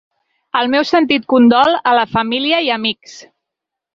El meu sentit condol a la família i amics.